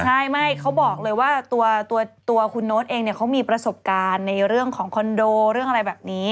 ใช่ไม่เขาบอกเลยว่าตัวคุณโน๊ตเองเนี่ยเขามีประสบการณ์ในเรื่องของคอนโดเรื่องอะไรแบบนี้